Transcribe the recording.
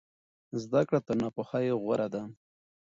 زده کړه تر ناپوهۍ غوره ده.